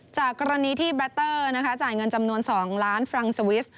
จากกรณีที่แรตเตอร์จ่ายเงินจำนวน๒ล้านฟรังสวิส